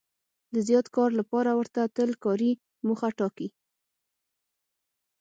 د زیات کار لپاره ورته تل کاري موخه ټاکي.